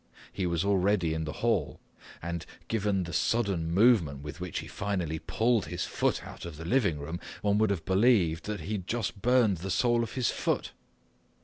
He was already in the hall, and given the sudden movement with which he finally pulled his foot out of the living room, one could have believed that he had just burned the sole of his foot.